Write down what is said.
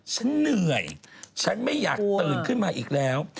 ฉันเหนื่อยฉันไม่อยากตื่นขึ้นมาอีกแล้ว